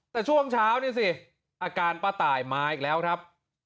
แต่ช่วงเช้านี่สิอาการป้าตายมาอีกแล้วครับ